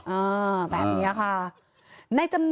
มีเรื่องอะไรมาคุยกันรับได้ทุกอย่าง